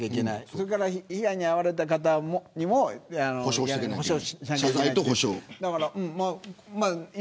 それから被害に遭われた方にも補償しなければいけない。